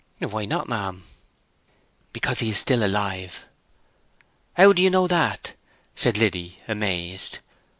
"Why not, ma'am?" "Because he's still alive." "How do you know that?" said Liddy, amazed.